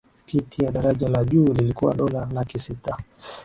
tiketi ya daraja la juu ilikuwa dola laki sita